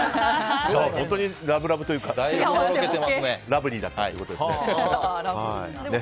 じゃあ本当にラブラブというかラブリーだったということですね。